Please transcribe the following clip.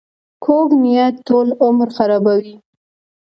کوږ نیت ټول عمر خرابوي